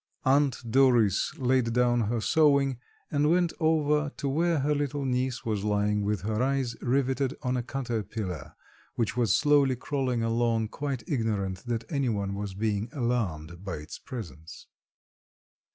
Aunt Doris laid down her sewing and went over to where her little niece was lying with her eyes riveted on a caterpillar which was slowly crawling along quite ignorant that anyone was being alarmed by its presence.